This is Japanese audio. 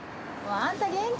あんた元気？